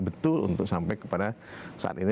betul untuk sampai kepada saat ini